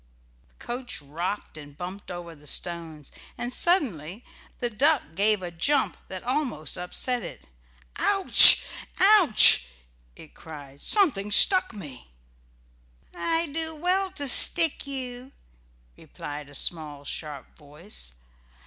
The coach rocked and bumped over the stones, and suddenly the duck gave a jump that almost upset it. "Ouch! ouch!" it cried. "Something stuck me." "I do well to stick you," replied a small sharp voice.